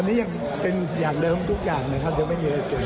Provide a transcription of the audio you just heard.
ตอนนี้ยังเป็นอย่างเดิมทุกอย่างนะครับเดี๋ยวไม่มีอะไรเกี่ยว